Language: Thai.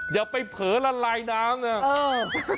เดี๋ยวไปเผลอละลายน้ำเนี่ย